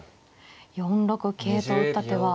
４六桂と打った手は。